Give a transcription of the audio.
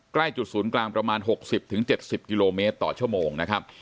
ใกล้จุดศูนย์กลางประมาณหกสิบถึงเจ็ดสิบกิโลเมตรต่อชั่วโมงนะครับ